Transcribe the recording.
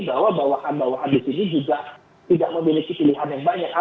bahwa bawahan bawahan di sini juga tidak memiliki pilihan yang banyak